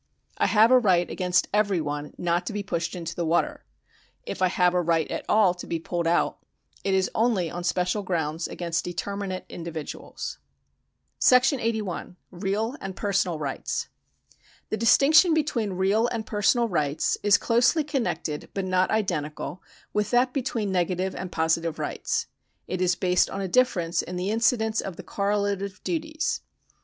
I have a right against every one not to be pushed into the water ; if I have a right at all to be pulled out, it is only on special grounds against determinate individuals. § SI. Real and Personal Rights. The distinction between real and personal rights is closely connected but not identical with that between negative and positive rights. It is based on a difference in the incidence of the correlative duties.